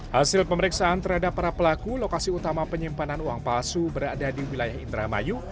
hasil pemeriksaan terhadap para pelaku lokasi utama penyimpanan uang palsu berada di wilayah indramayu